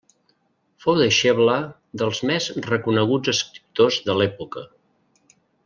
Fou deixebla dels més reconeguts escriptors de l'època.